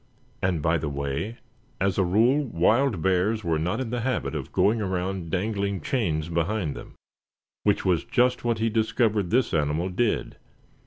And by the way, as a rule wild bears were not in the habit of going around dangling chains behind them, which was just what he discovered this animal did.